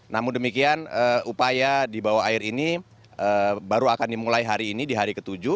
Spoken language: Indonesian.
namun demikian upaya di bawah air ini baru akan dimulai hari ini di hari ke tujuh